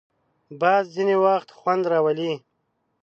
باد ځینې وخت خوند راولي